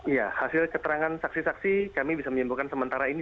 ya hasil keterangan saksi saksi kami bisa menyimpulkan sementara ini